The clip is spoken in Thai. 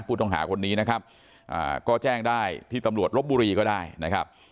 ผู้ต้องหาคนนี้นะครับก็แจ้งได้ที่ตำรวจลบบุรีก็ได้นะครับ